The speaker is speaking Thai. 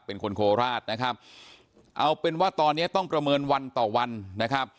เป็นคนโคราชนะครับเอาเป็นว่าตอนนี้ต้องประเมินวันต่อวันนะครับ